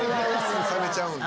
冷めちゃうんで。